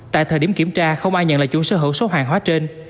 tại thời điểm kiểm tra không ai nhận lại chuẩn sơ hữu số hàng hóa trên